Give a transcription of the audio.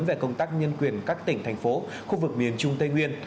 về công tác nhân quyền các tỉnh thành phố khu vực miền trung tây nguyên